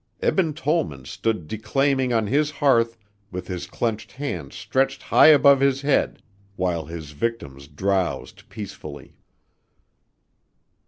Eben Tollman stood declaiming on his hearth with his clenched hands stretched high above his head while his victims drowsed peacefully.